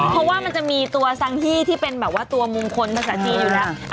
เพราะว่ามันจะมีตัวทั้งที่ที่เป็นตัวมุมคลภาษาจีนอยู่แล้ว